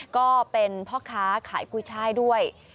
ก็เป็นพ่อค้าขายกุ้ยช่ายด้วย